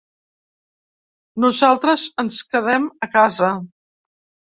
Nosaltres ens quedem a casa.